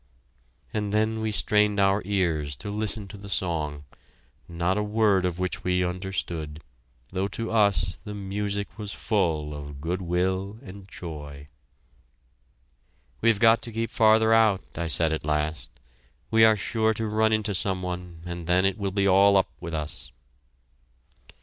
And then we strained our ears to listen to the song, not a word of which we understood, though to us the music was full of good will and joy. "We've got to keep farther out," I said at last. "We are sure to run into some one and then it will be all up with us!"